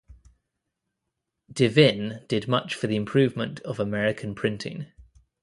De Vinne did much for the improvement of American printing.